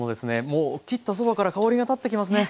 もう切ったそばから香りが立ってきますね。